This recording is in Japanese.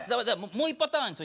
もう１パターン？